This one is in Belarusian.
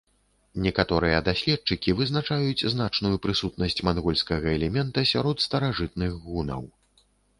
Некаторыя даследчыкі вызначаюць значную прысутнасць мангольскага элемента сярод старажытных гунаў.